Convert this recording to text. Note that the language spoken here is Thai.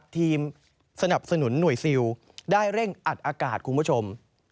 ทีมสนับสนุนหน่วยซิลได้เร่งอัดอากาศคุณผู้ชม